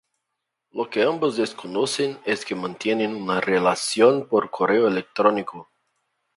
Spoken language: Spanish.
Lo que ambos desconocen es que mantienen una relación por correo electrónico.